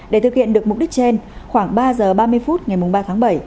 để thực hiện được mục đích trên khoảng ba giờ ba mươi phút ngày ba tháng bảy